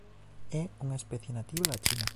É unha especie nativa da China.